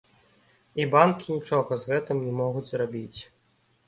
І банкі нічога з гэтым не могуць зрабіць.